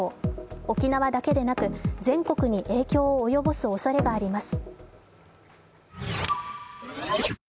沖縄だけでなく、全国に影響を及ぼすおそれがあります。